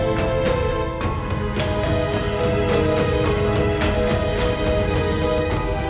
tidak menginginkan anak sisa bawah